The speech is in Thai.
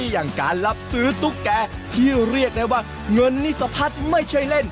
อย่างการรับซื้อตุ๊กแก่ที่เรียกได้ว่าเงินนิสะพัดไม่ใช่เล่น